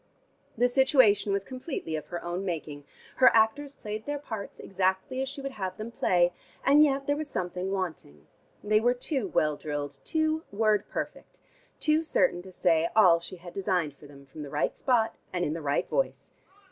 The situation was completely of her own making: her actors played their parts exactly as she would have them play, and yet there was something wanting. They were too well drilled, too word perfect, too certain to say all she had designed for them from the right spot, and in the right voice.